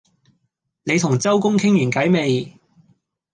你同周公傾完偈未？